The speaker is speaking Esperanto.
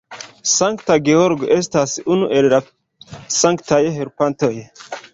Sankta Georgo estas unu el la sanktaj helpantoj.